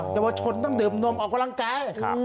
อย่างว่าชนต้องดื่มนมออกกำลังกายครับ